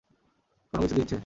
কোন কিছু দিয়েছে?